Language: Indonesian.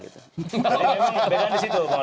jadi memang bedanya di situ